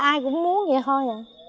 ai cũng muốn vậy thôi